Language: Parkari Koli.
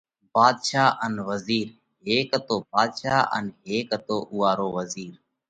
ڀاڌشا ان وزِير:هيڪ هتو ڀاڌشا ان هيڪ هتو اُوئا رو وزِير۔